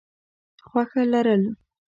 خوښه لرل: